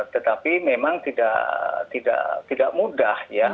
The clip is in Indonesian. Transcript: tetapi memang tidak mudah ya